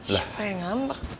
siapa yang ngambek